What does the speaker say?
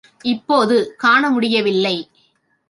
இப்போது காண முடியவில்லை.